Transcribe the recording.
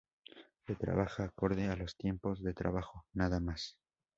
Se trabaja acorde a los tiempos de trabajo, nada más.